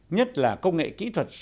nhất là công nghệ kỹ thuật sản diễn